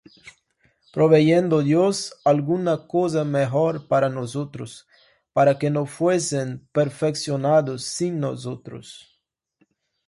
Proveyendo Dios alguna cosa mejor para nosotros, para que no fuesen perfeccionados sin nosotros.